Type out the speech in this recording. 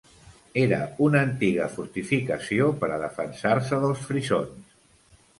Era una antiga fortificació per a defensar-se dels frisons.